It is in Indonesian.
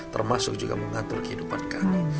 termasuk juga mengatur kehidupan kami